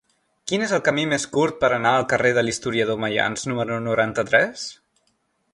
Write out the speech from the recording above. Quin és el camí més curt per anar al carrer de l'Historiador Maians número noranta-tres?